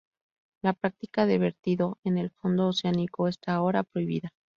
La práctica de vertido en el fondo oceánico está ahora prohibida.